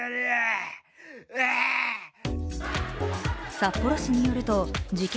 札幌市によると事件